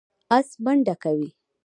آس منډه کوي.